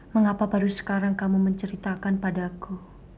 mengapa baru sekarang kamu menceritakan padaku